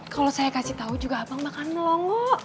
kalau saya kasih tahu juga abang makan melongok